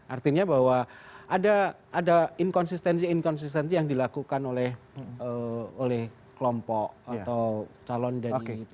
artinya bahwa ada ada inconsistency inconsistency yang dilakukan oleh oleh kelompok atau calon dari penangkap